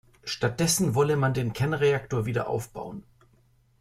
Stattdessen wolle man den Kernreaktor wieder aufbauen.